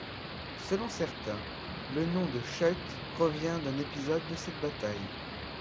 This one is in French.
Selon certains, le nom de Scheut provient d'un épisode de cette bataille.